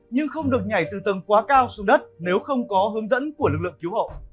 nhưng không được nhảy từ tầng quá cao xuống đất nếu không có hướng dẫn của lực lượng cứu hộ